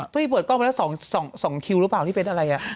พี่เปิดกล้องมาแล้ว๒คิวหรือเปล่าที่เป็นอะไร